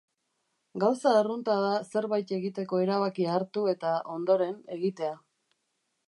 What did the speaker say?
Gauza arrunta da zerbait egiteko erabakia hartu eta, ondoren, egitea.